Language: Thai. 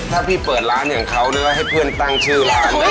ถ้าพี่เปิดร้านอย่างเขานึกว่าให้เพื่อนตั้งชื่อร้าน